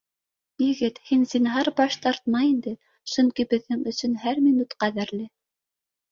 Егет, һин, зинһар, баш тартма инде, сөнки беҙҙең өсөн һәр минут ҡәҙерле